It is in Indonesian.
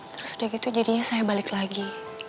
terus udah gitu jadinya saya balik lagi